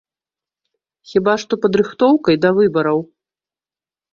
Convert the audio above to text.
Хіба што падрыхтоўкай да выбараў.